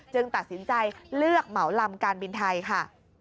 ตัดสินใจเลือกเหมาลำการบินไทยค่ะ